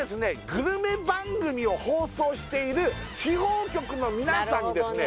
グルメ番組を放送している地方局の皆さんにですね